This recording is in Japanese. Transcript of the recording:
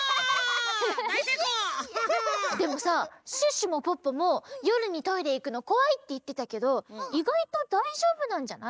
でもさシュッシュもポッポもよるにトイレいくのこわいっていってたけどいがいとだいじょうぶなんじゃない？